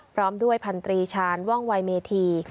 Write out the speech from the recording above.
พร้อมด้วยพันธรีชาญว่องวัยเมธี